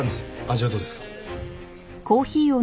味はどうですか？